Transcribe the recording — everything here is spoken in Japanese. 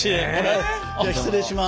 じゃあ失礼します。